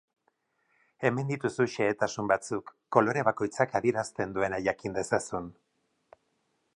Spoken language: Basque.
Hemen dituzu xehetasun batzuk, kolore bakoitzak adieraten duena jakin dezazun.